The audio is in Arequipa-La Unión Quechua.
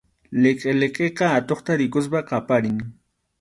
Liqiliqiqa atuqta rikuspas qaparin.